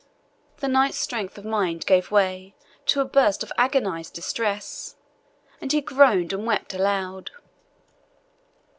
The knight's strength of mind gave way to a burst of agonized distress, and he groaned and wept aloud.